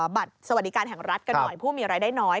บัตรสวัสดิการแห่งรัฐกันหน่อยผู้มีรายได้น้อย